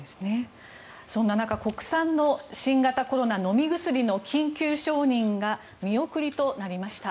そんな中国産の新型コロナ飲み薬の緊急承認が見送りとなりました。